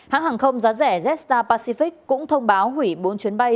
hãng hàng không giá rẻ jetstar pacific cũng thông báo hủy bốn chuyến bay